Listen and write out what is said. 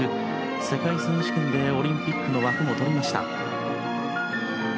世界選手権でオリンピックの枠も取りました。